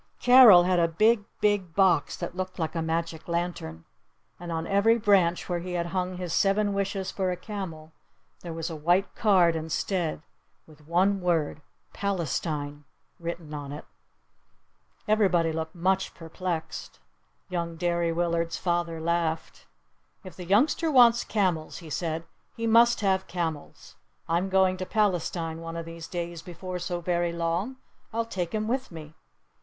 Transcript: Carol had a big, big box that looked like a magic lantern. And on every branch where he had hung his seven wishes for a camel there was a white card instead with the one word "Palestine" written on it. Everybody looked very much perplexed. Young Derry Willard's father laughed. "If the youngster wants camels," he said, "he must have camels! I'm going to Palestine one of these days before so very long. I'll take him with me.